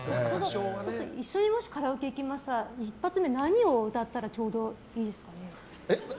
一緒にもしカラオケ行きましたら一発目、何を歌ったらちょうどいいですかね。